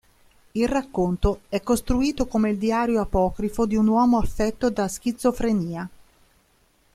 Il racconto è costruito come il diario apocrifo di un uomo affetto da schizofrenia.